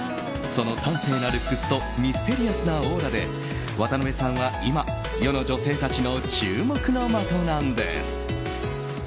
その端正なルックスとミステリアスなオーラで渡邊さんは今世の女性たちの注目の的なんです。